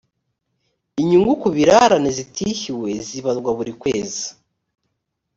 inyungu ku birarane zitishyuwe zibarwa buri kwezi